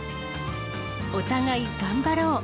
お互い頑張ろう。